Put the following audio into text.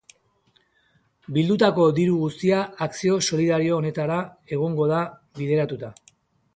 Bildutako diru guztia akzio solidario honetara egongo da bideratuta.